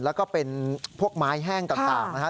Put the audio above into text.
แล้วก็เป็นพวกไม้แห้งต่างนะครับ